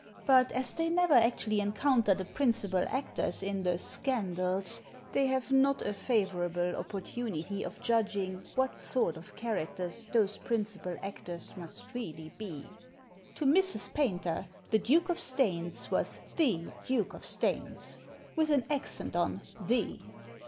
But as they never actually encounter the principal actors in the " scandals," they have not a favourable oppor tunity of judging what sort of characters those principal actors must really be. To Mrs. Paynter the Duke of Staines was the Duke of Staines — with an accent on "the."